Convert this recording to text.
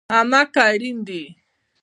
امه که اړين دي